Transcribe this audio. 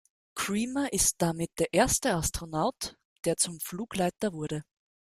Creamer ist damit der erste Astronaut, der zum Flugleiter wurde.